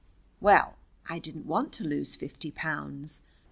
Well, I didn't want to lose fifty pounds.